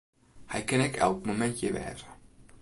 Hy kin ek elk momint hjir wêze.